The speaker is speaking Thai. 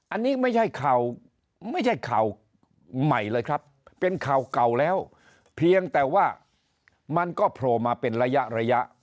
อันนี้ไม่ใช่ข่าวไม่ใช่ข่าวใหม่เลยครับเป็นข่าวเก่าแล้วเพียงแต่ว่ามันก็โผล่มาเป็นระยะระยะ